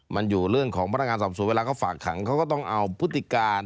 มันอยู่เรื่องของพนักงานสอบสวนเวลาเขาฝากขังเขาก็ต้องเอาพฤติการ